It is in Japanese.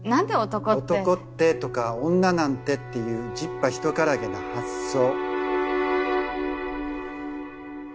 「男って」とか「女なんて」っていう十把ひとからげな発想。